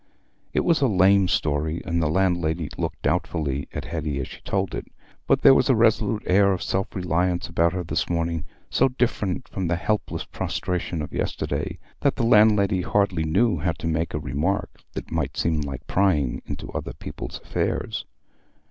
It was a lame story, and the landlady looked doubtfully at Hetty as she told it; but there was a resolute air of self reliance about her this morning, so different from the helpless prostration of yesterday, that the landlady hardly knew how to make a remark that might seem like prying into other people's affairs.